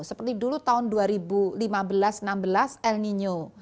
seperti dulu tahun dua ribu lima belas dua ribu enam belas el nino